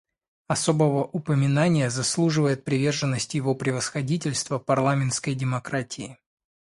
Особого упоминания заслуживает приверженность Его Превосходительства парламентской демократии.